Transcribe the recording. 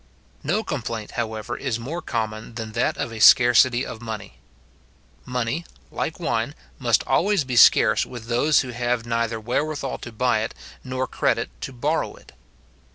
No complaint, however, is more common than that of a scarcity of money. Money, like wine, must always be scarce with those who have neither wherewithal to buy it, nor credit to borrow it.